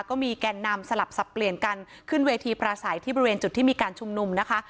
ก็มีแก่นนำสลับสับเปลี่ยนกันขึ้นเวทีประสัยที่บริเวณจุดที่มีการชุมนุมนะคะ